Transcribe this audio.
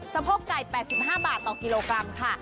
โพกไก่๘๕บาทต่อกิโลกรัมค่ะ